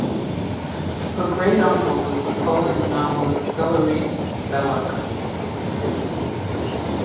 Her great uncle was the poet and novelist Hilaire Belloc.